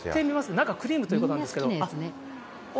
中、クリームということなんですけど。